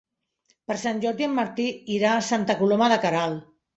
Per Sant Jordi en Martí irà a Santa Coloma de Queralt.